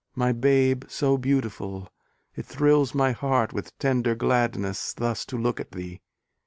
My babe so beautiful! it thrills my heart With tender gladness, thus to look at thee!